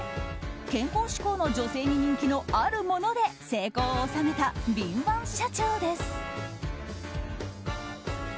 健康志向の女性に人気のあるもので成功を収めた敏腕社長です。